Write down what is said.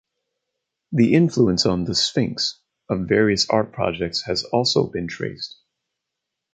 The influence on "The Sphinx" of various art objects has also been traced.